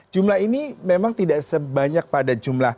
jumlah ini memang tidak sebanyak pada jumlah